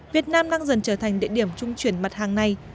việt nam đang dần trở thành địa điểm trung chuyển mặt hàng này